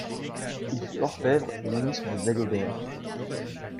Il fut orfèvre et ministre de Dagobert.